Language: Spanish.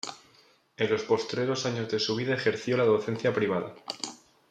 En los postreros años de su vida ejerció la docencia privada.